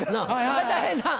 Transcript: はいたい平さん。